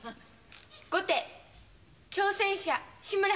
後手挑戦者志村八段。